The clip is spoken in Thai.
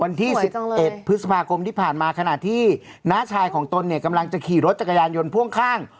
วันที่๑๑พฤษภาคมที่ผ่านมาขณะที่น้าชายของตนเนี่ยกำลังจะขี่รถจักรยานยนต์พ่วงข้าง